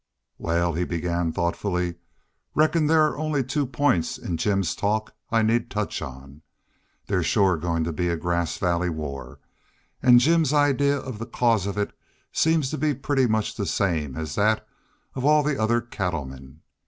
"Wal," he began, thoughtfully, "reckon there are only two points in Jim's talk I need touch on. There's shore goin' to be a Grass Valley war. An' Jim's idea of the cause of it seems to be pretty much the same as that of all the other cattlemen.